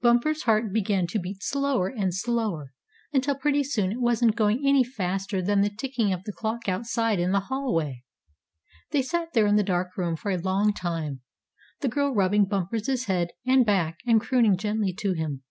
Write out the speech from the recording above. Bumper's heart began to beat slower and slower until pretty soon it wasn't going any faster than the ticking of the clock outside in the hallway. They sat there in the dark room for a long time, the girl rubbing Bumper's head and back and crooning gently to him.